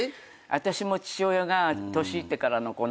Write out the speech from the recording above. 私も父親が年いってからの子。